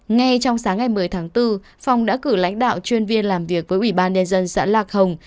ngay trong sáng ngày một mươi tháng bốn phòng đã cử lãnh đạo chuyên viên làm việc với ủy ban nhân dân xã lạc hồng